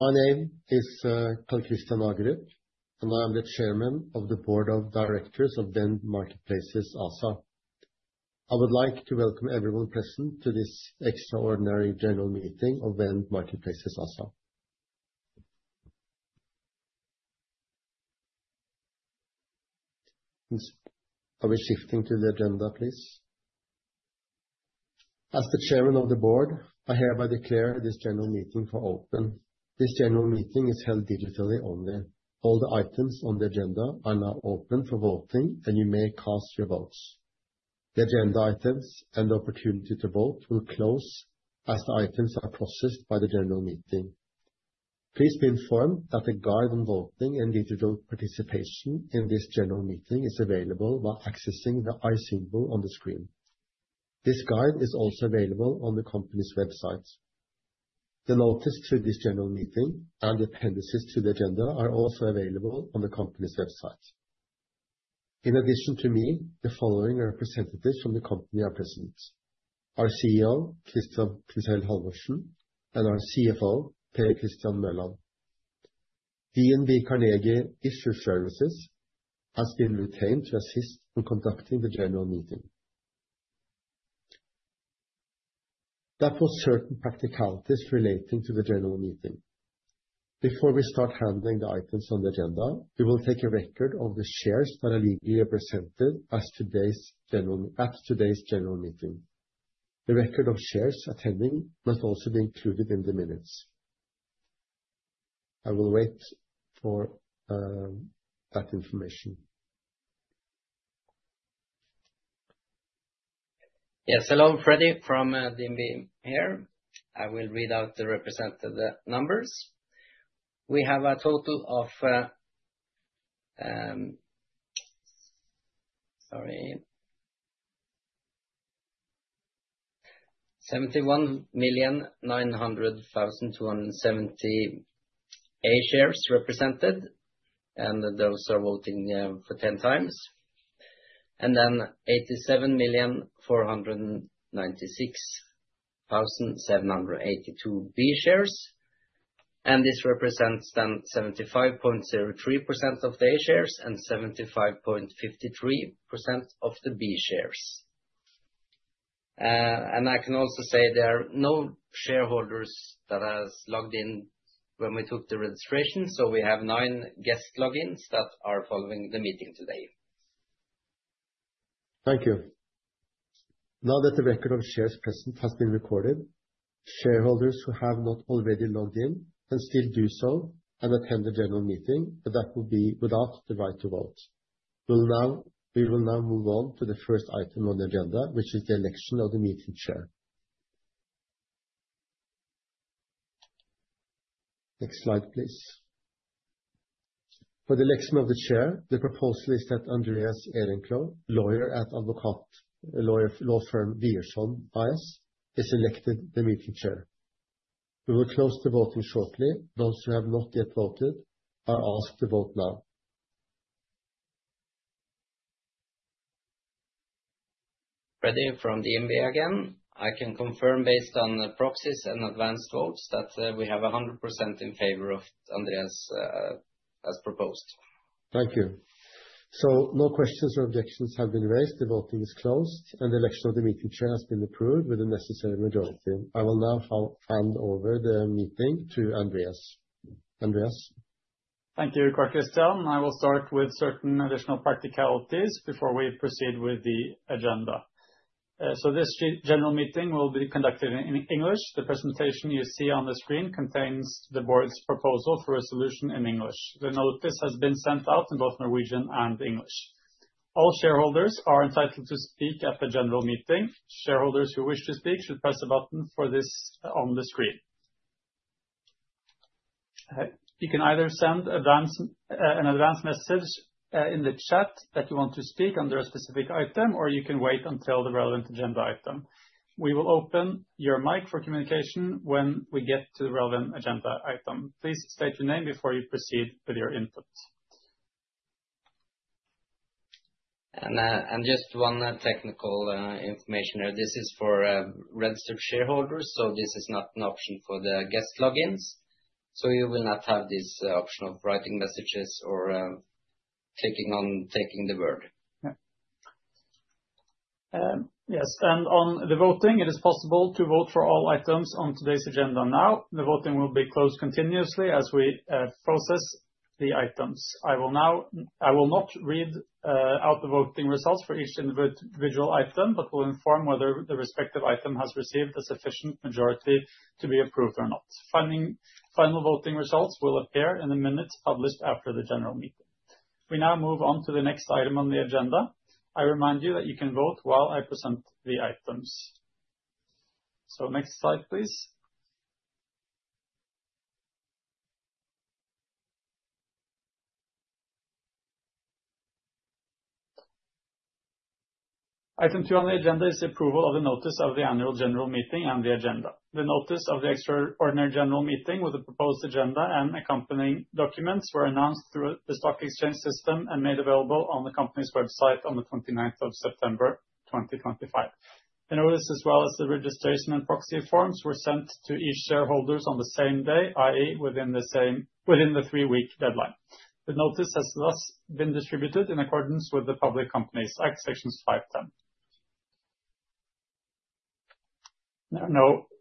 My name is Karl-Christian Agerup, and I am the Chairman of the Board of Directors of Vend Marketplaces ASA. I would like to welcome everyone present to this extraordinary general meeting of Vend Marketplaces ASA. I will shift into the agenda, please. As the Chairman of the Board, I hereby declare this general meeting open. This general meeting is held digitally only. All the items on the agenda are now open for voting, and you may cast your votes. The agenda items and the opportunity to vote will close as the items are processed by the general meeting. Please be informed that the guide on voting and digital participation in this general meeting is available by accessing the eye symbol on the screen. This guide is also available on the company's website. The notice to this general meeting and the appendices to the agenda are also available on the company's website. In addition to me, the following representatives from the company are present: our CEO, Christian Printzell Halvorsen, and our CFO, Per Christian Mørland. DNB Carnegie Issue Services has been retained to assist in conducting the general meeting. There are certain practicalities relating to the general meeting. Before we start handling the items on the agenda, we will take a record of the shares that are legally represented at today's general meeting. The record of shares attending must also be included in the minutes. I will wait for that information. Yes. Hello, Freddy from DNB here. I will read out the represented numbers. We have a total of 71,900,270 A shares represented, and those are voting for 10 times, and then 87,496,782 B shares. This represents then 75.03% of the A shares and 75.53% of the B shares. I can also say there are no shareholders that are logged in when we took the registration. We have nine guest logins that are following the meeting today. Thank you. Now that the record of shares present has been recorded, shareholders who have not already logged in can still do so and attend the general meeting, but that will be without the right to vote. We will now move on to the first item on the agenda, which is the election of the meeting chair. Next slide, please. For the election of the chair, the proposal is that Andreas Ehrenclou, lawyer at law firm Wiersholm, is elected the meeting chair. We will close the voting shortly. Those who have not yet voted are asked to vote now. Freddie from DNB again. I can confirm based on the proxies and advanced votes that we have 100% in favor of Andreas as proposed. Thank you. So no questions or objections have been raised. The voting is closed, and the election of the meeting chair has been approved with the necessary majority. I will now hand over the meeting to Andreas. Andreas? Thank you, Karl-Christian. I will start with certain additional practicalities before we proceed with the agenda. So this general meeting will be conducted in English. The presentation you see on the screen contains the board's proposal for a solution in English. The notice has been sent out in both Norwegian and English. All shareholders are entitled to speak at the general meeting. Shareholders who wish to speak should press a button for this on the screen. You can either send an advance message in the chat that you want to speak under a specific item, or you can wait until the relevant agenda item. We will open your mic for communication when we get to the relevant agenda item. Please state your name before you proceed with your input. Just one technical information here. This is for registered shareholders, so this is not an option for the guest logins. You will not have this option of writing messages or clicking on taking the word. Yes. And on the voting, it is possible to vote for all items on today's agenda now. The voting will be closed continuously as we process the items. I will not read out the voting results for each individual item, but will inform whether the respective item has received a sufficient majority to be approved or not. Final voting results will appear in the minutes published after the general meeting. We now move on to the next item on the agenda. I remind you that you can vote while I present the items. So next slide, please. Item two on the agenda is the approval of the notice of the annual general meeting and the agenda. The notice of the extraordinary general meeting with the proposed agenda and accompanying documents were announced through the stock exchange system and made available on the company's website on the 29th of September, 2025. The notice, as well as the registration and proxy forms, were sent to each shareholders on the same day, i.e., within the three-week deadline. The notice has thus been distributed in accordance with the Public Companies Act, Section 5-10. There are no questions or objections.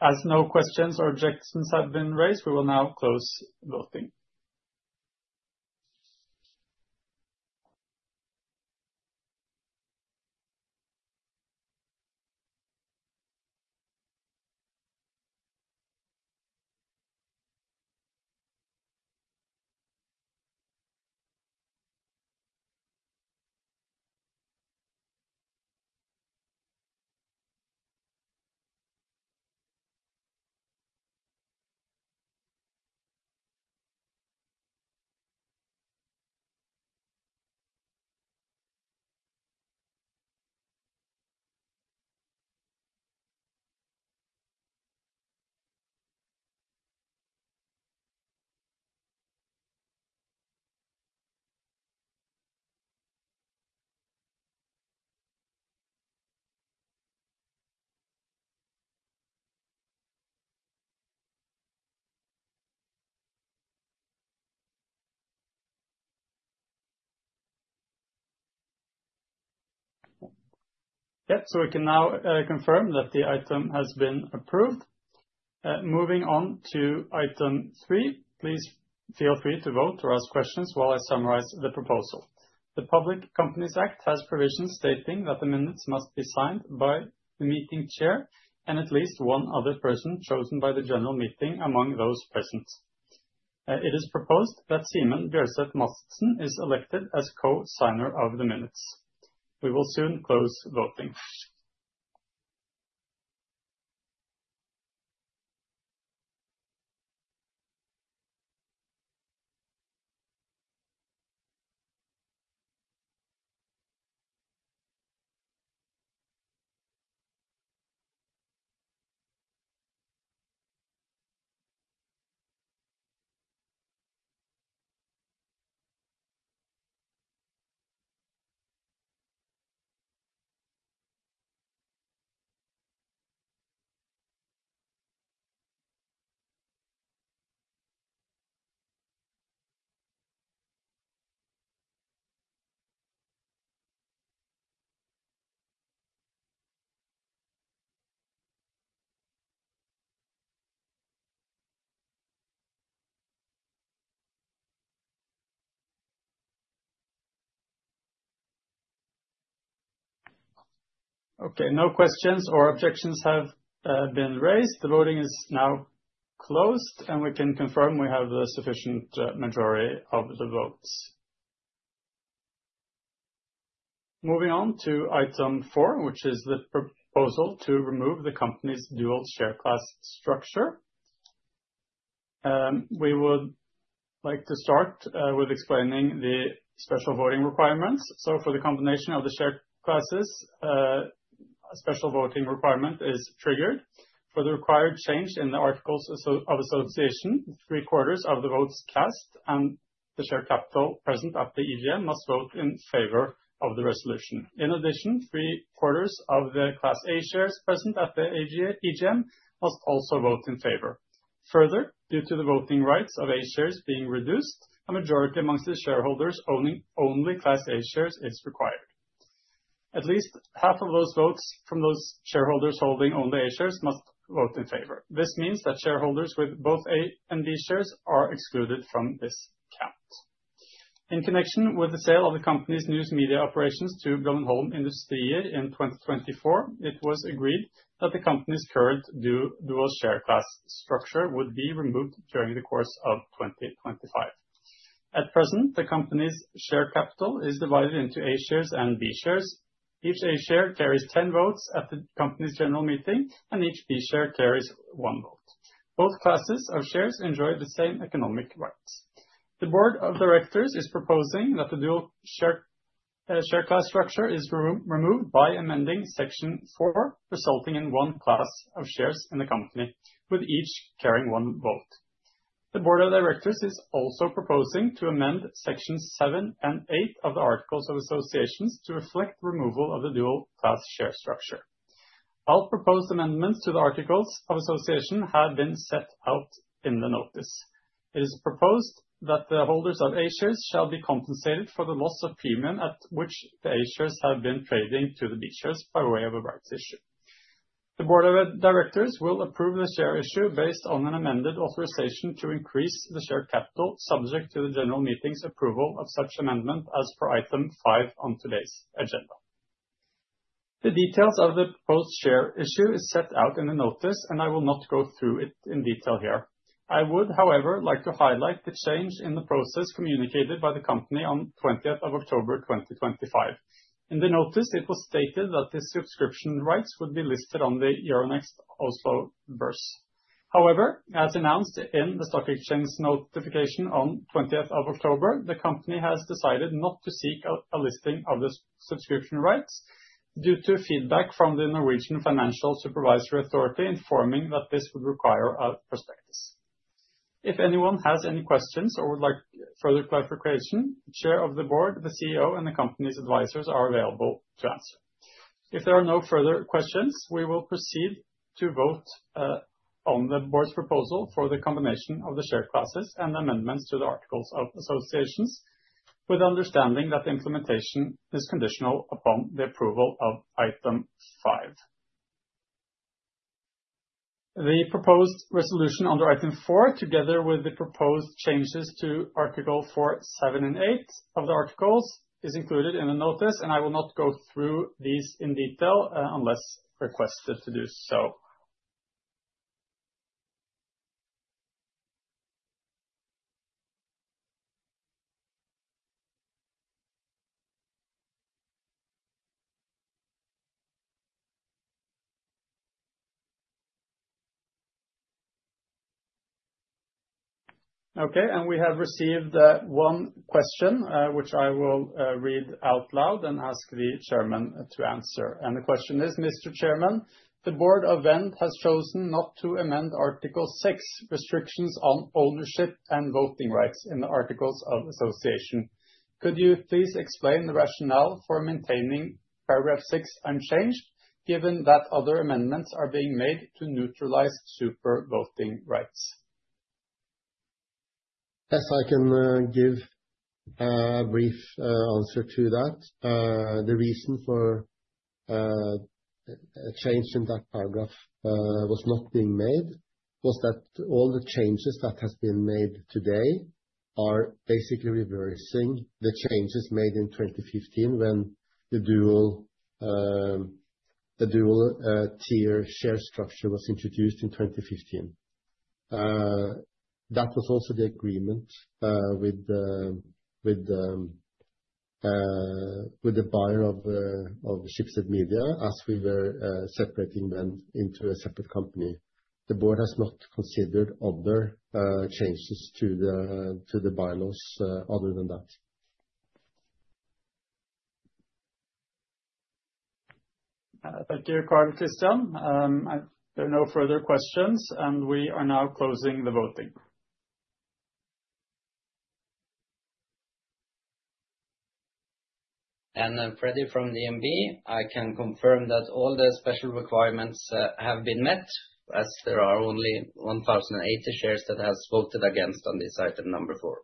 As no questions or objections have been raised, we will now close voting. Yes, so we can now confirm that the item has been approved. Moving on to item three, please feel free to vote or ask questions while I summarize the proposal. The Public Companies Act has provisions stating that the minutes must be signed by the meeting chair and at least one other person chosen by the general meeting among those present. It is proposed that Simen Bjølseth Madsen is elected as co-signer of the minutes. We will soon close voting. Okay. No questions or objections have been raised. The voting is now closed, and we can confirm we have a sufficient majority of the votes. Moving on to item four, which is the proposal to remove the company's dual share class structure. We would like to start with explaining the special voting requirements. So for the combination of the share classes, a special voting requirement is triggered. For the required change in the articles of association, three-quarters of the votes cast and the share capital present at the EGM must vote in favor of the resolution. In addition, three-quarters of the class A shares present at the EGM must also vote in favor. Further, due to the voting rights of A shares being reduced, a majority amongst the shareholders owning only class A shares is required. At least half of those votes from those shareholders holding only A shares must vote in favor. This means that shareholders with both A and B shares are excluded from this count. In connection with the sale of the company's news media operations to Blommenholm Industrier in 2024, it was agreed that the company's current dual share class structure would be removed during the course of 2025. At present, the company's share capital is divided into A shares and B shares. Each A share carries 10 votes at the company's general meeting, and each B share carries one vote. Both classes of shares enjoy the same economic rights. The board of directors is proposing that the dual share class structure is removed by amending Section 4, resulting in one class of shares in the company, with each carrying one vote. The board of directors is also proposing to amend Sections 7 and 8 of the articles of association to reflect the removal of the dual class share structure. All proposed amendments to the articles of association have been set out in the notice. It is proposed that the holders of A shares shall be compensated for the loss of premium at which the A shares have been trading to the B shares by way of a rights issue. The board of directors will approve the share issue based on an amended authorization to increase the share capital, subject to the general meeting's approval of such amendment as per item five on today's agenda. The details of the proposed share issue are set out in the notice, and I will not go through it in detail here. I would, however, like to highlight the change in the process communicated by the company on 20th of October 2025. In the notice, it was stated that the subscription rights would be listed on the Euronext Oslo Børs. However, as announced in the stock exchange notification on 20th of October, the company has decided not to seek a listing of the subscription rights due to feedback from the Norwegian Financial Supervisory Authority informing that this would require a prospectus. If anyone has any questions or would like further clarification, the Chair of the Board, the CEO, and the company's advisors are available to answer. If there are no further questions, we will proceed to vote on the board's proposal for the combination of the share classes and amendments to the Articles of Association, with understanding that the implementation is conditional upon the approval of item five. The proposed resolution under item four, together with the proposed changes to Article four, seven, and eight of the Articles of Association, is included in the notice, and I will not go through these in detail unless requested to do so. Okay, and we have received one question, which I will read out loud and ask the chairman to answer, and the question is, Mr. Chairman, the board of Vend has chosen not to amend Article six restrictions on ownership and voting rights in the Articles of Association. Could you please explain the rationale for maintaining Paragraph six unchanged, given that other amendments are being made to neutralize supervoting rights? Yes, I can give a brief answer to that. The reason for a change in that paragraph was not being made was that all the changes that have been made today are basically reversing the changes made in 2015 when the dual-tier share structure was introduced in 2015. That was also the agreement with the buyer of Schibsted Media as we were separating them into a separate company. The board has not considered other changes to the bylaws other than that. Thank you, Karl-Christian. There are no further questions, and we are now closing the voting. Freddie from DNB, I can confirm that all the special requirements have been met as there are only 1,080 shares that have voted against on this item number four.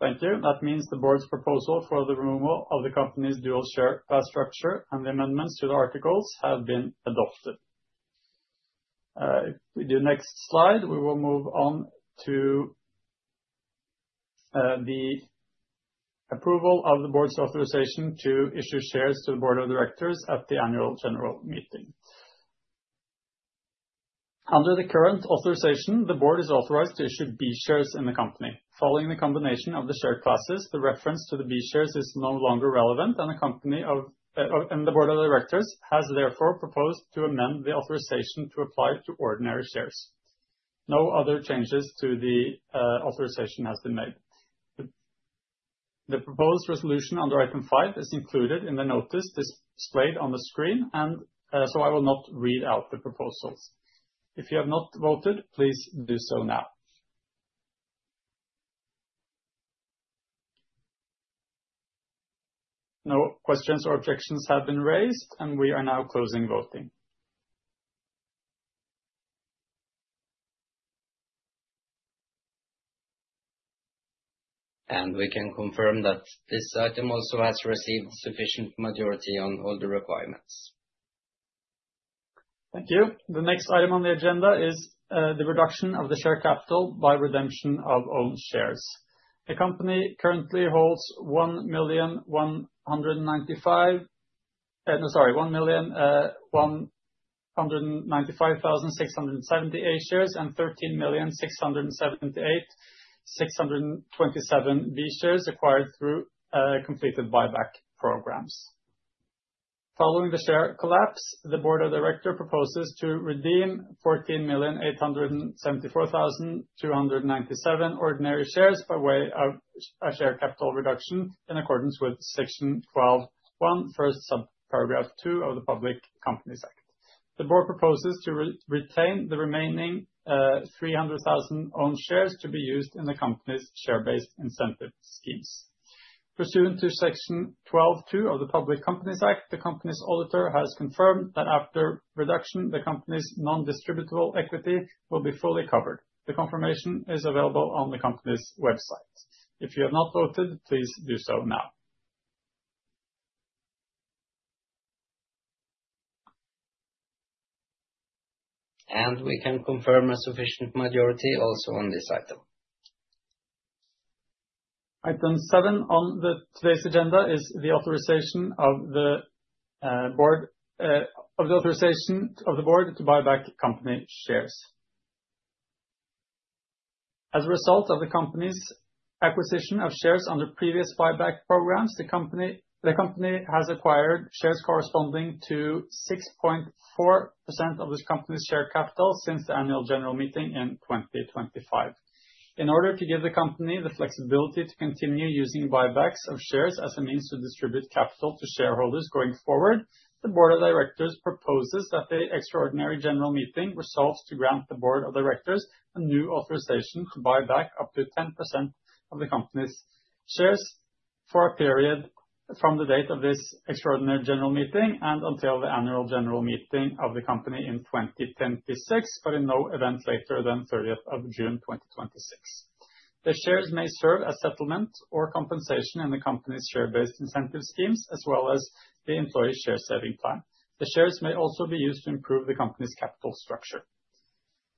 Thank you. That means the board's proposal for the removal of the company's dual-share class structure and the amendments to the articles have been adopted. With your next slide, we will move on to the approval of the board's authorization to issue shares to the board of directors at the annual general meeting. Under the current authorization, the board is authorized to issue B shares in the company. Following the combination of the share classes, the reference to the B shares is no longer relevant, and the board of directors has therefore proposed to amend the authorization to apply to ordinary shares. No other changes to the authorization have been made. The proposed resolution under item five is included in the notice displayed on the screen, and so I will not read out the proposals. If you have not voted, please do so now. No questions or objections have been raised, and we are now closing voting. We can confirm that this item also has received sufficient majority on all the requirements. Thank you. The next item on the agenda is the reduction of the share capital by redemption of own shares. The company currently holds 1,195,678 shares and 13,678,627 B shares acquired through completed buyback programs. Following the share collapse, the board of directors proposes to redeem 14,874,297 ordinary shares by way of a share capital reduction in accordance with Section 12-1, First Subparagraph 2 of the Public Companies Act. The board proposes to retain the remaining 300,000 own shares to be used in the company's share-based incentive schemes. Pursuant to Section 12-2 of the Public Companies Act, the company's auditor has confirmed that after reduction, the company's non-distributable equity will be fully covered. The confirmation is available on the company's website. If you have not voted, please do so now. We can confirm a sufficient majority also on this item. Item seven on today's agenda is the authorization of the board to buy back company shares. As a result of the company's acquisition of shares under previous buyback programs, the company has acquired shares corresponding to 6.4% of the company's share capital since the annual general meeting in 2025. In order to give the company the flexibility to continue using buybacks of shares as a means to distribute capital to shareholders going forward, the board of directors proposes that the extraordinary general meeting resolves to grant the board of directors a new authorization to buy back up to 10% of the company's shares for a period from the date of this extraordinary general meeting and until the annual general meeting of the company in 2026, but in no event later than 30th of June 2026. The shares may serve as settlement or compensation in the company's share-based incentive schemes, as well as the employee share saving plan. The shares may also be used to improve the company's capital structure.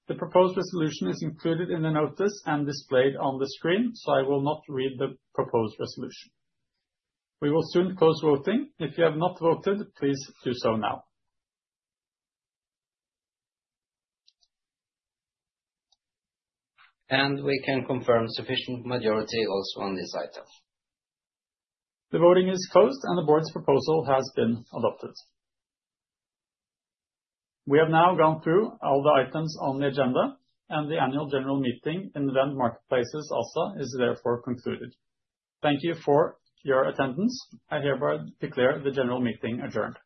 The proposed resolution is included in the notice and displayed on the screen, so I will not read the proposed resolution. We will soon close voting. If you have not voted, please do so now. We can confirm sufficient majority also on this item. The voting is closed, and the board's proposal has been adopted. We have now gone through all the items on the agenda, and the annual general meeting in the Vend Marketplaces ASA is therefore concluded. Thank you for your attendance. I hereby declare the general meeting adjourned.